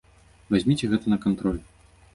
Вазьміце гэта на кантроль.